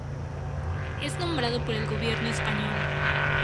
Es nombrado por el Gobierno español.